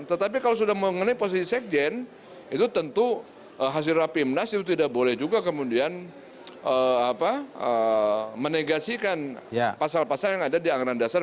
tetapi kalau sudah mengenai posisi sekjen itu tentu hasil rapimnas itu tidak boleh juga kemudian menegasikan pasal pasal yang ada di anggaran dasar